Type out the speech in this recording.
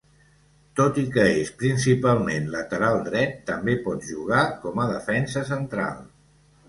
Tot i que és principalment lateral dret, també pot jugar com a defensa central.